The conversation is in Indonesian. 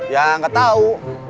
ya nggak tahu